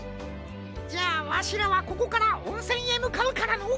じゃあわしらはここからおんせんへむかうからのう。